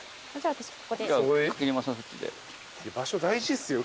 場所大事っすよ